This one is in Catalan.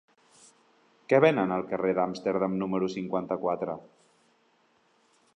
Què venen al carrer d'Amsterdam número cinquanta-quatre?